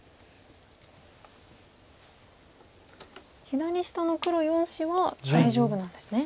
左下の黒４子は大丈夫なんですね？